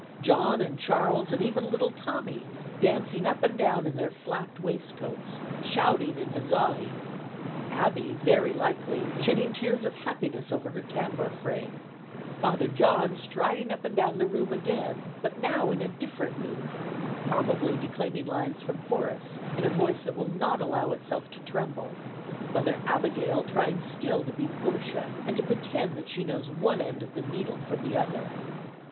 John and Charles and even little Tommy, dancing up and down in their flapped waistcoats, shouting and huzzaing; Abby, very likely, shedding tears of happiness over her tambour frame; Father John striding up and down the room again, but now in different mood, probably declaiming lines from Horace in a voice that will not allow itself to tremble; Mother Abigail trying still to be Portia, and to pretend that she knows one end of the needle from the other.